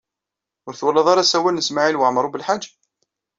Ur twalad ara asawal n Smawil Waɛmaṛ U Belḥaǧ?